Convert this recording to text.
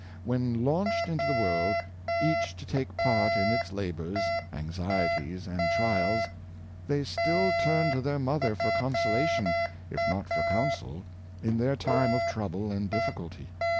When launched into the world, each to take part in its labors, anxieties, and trials, they still turn to their mother for consolation, if not for counsel, in their time of trouble and difficulty.